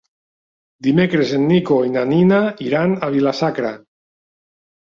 Dimecres en Nico i na Nina iran a Vila-sacra.